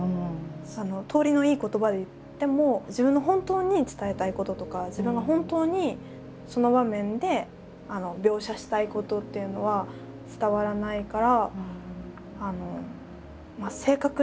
通りのいい言葉で言っても自分の本当に伝えたいこととか自分が本当にその場面で描写したいことっていうのは伝わらないから。